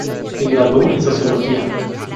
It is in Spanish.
Se graduó en Sociología.